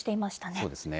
そうですね。